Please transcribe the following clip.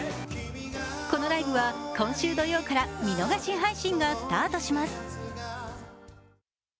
このライブは今週土曜から見逃し配信がスタートします。